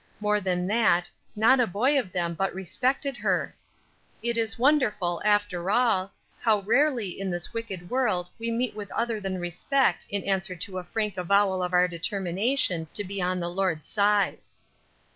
More than that, not a boy of them but respected her. It is wonderful, after all, how rarely in this wicked world we meet with other than respect in answer to a frank avowal of our determination to be on the Lord's side.